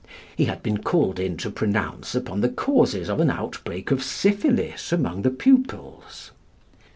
He had been called in to pronounce upon the causes of an outbreak of syphilis among the pupils.